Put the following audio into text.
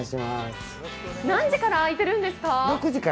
何時から開いてるんですか？